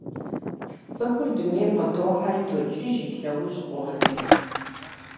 ЦӀыхур дунейм къытохьэри токӀыж и лъэужь къонэри.